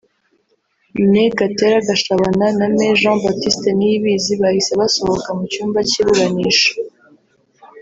Me Gatera Gashabana na Me Jean Baptiste Niyibizi bahise basohoka mu cyumba cy’iburanisha